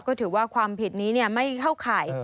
ก็ถือว่าความผิดนี้ไม่เข้าข่าย